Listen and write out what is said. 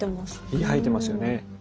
ひげ生えてますよね。